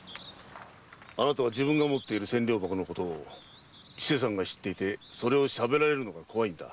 あなたは自分が持っている千両箱のことを千世さんが知っていてそれをしゃべられるのが怖いんだ。